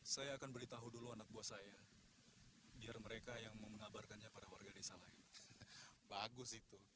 saya akan beritahu dulu anak buah saya biar mereka yang mau mengabarkannya pada warga desa lain bagus itu